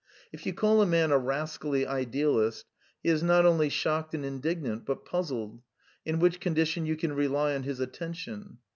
If you call a man a rascally idealist, he is not only shocked and indig nant but puzzled : in which condition you can rely on his attention.